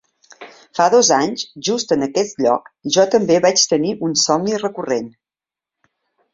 Fa dos anys, just en aquest lloc, jo també vaig tenir un somni recurrent.